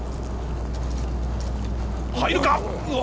入るか！？